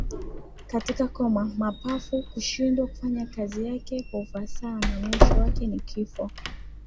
katika koma mapafu kushindwa kufanya kazi yake kwa ufasaha na mwisho wake ni kifo